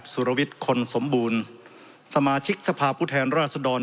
สุรวิทย์คนสมบูรณ์สมาชิกสภาพผู้แทนราชดร